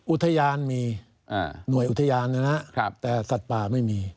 อุทยานมีหน่วยอุทยานนะครับแต่สัตว์ป่าไม่มี